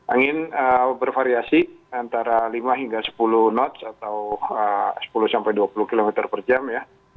angin bervariasi antara lima hingga sepuluh knots atau sepuluh sampai dua puluh km per jam ya